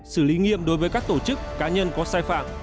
xử lý nghiêm đối với các tổ chức cá nhân có sai phạm